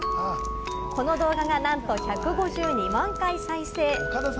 この動画がなんと１５２万回再生！